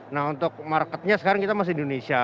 nah untuk marketnya sekarang kita masih di indonesia